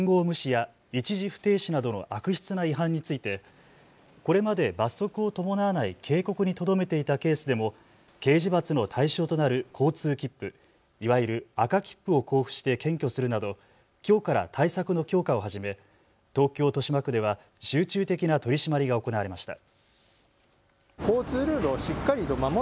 警視庁は特に重大な事故につながりかねない自転車の信号無視や一時不停止などの悪質な違反についてこれまで罰則を伴わない警告にとどめていたケースでも刑事罰の対象となる交通切符、いわゆる赤切符を交付して検挙するなどきょうから対策の強化を始め東京豊島区では集中的な取締りが行われました。